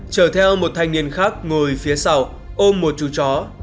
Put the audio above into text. chở theo một thanh niên khác ngồi phía sau ôm một chú chó